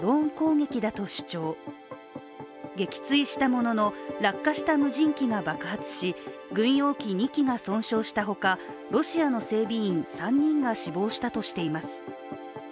撃墜したものの落下した無人機が爆発し軍用機２機が損傷したほか、ロシアの整備員３人が死亡したとしています。